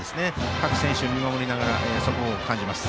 各選手、見守りながらそこを感じます。